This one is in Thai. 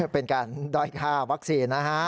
เป็นการด้อยค่าวัคซีนนะฮะ